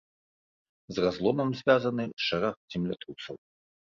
З разломам звязаны шэраг землятрусаў.